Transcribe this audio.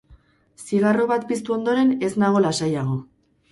Zigarro bat piztu ondoren ez nago lasaiago.